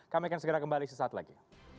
kami akan segera kembali sesaat lagi